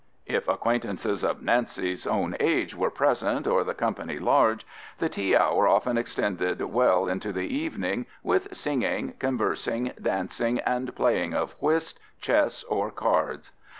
If acquaintances of Nancy's own age were present or the company large, the tea hour often extended well into the evening with singing, conversing, dancing, and playing of whist, chess, or cards.